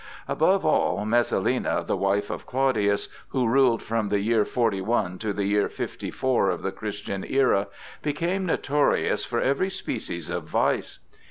Above all, Messalina, the wife of Claudius, who ruled from the year 41 to the year 54 of the Christian era, became notorious for every species of vice.